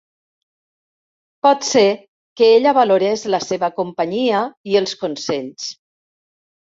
Pot ser que ella valorés la seva companyia i els consells.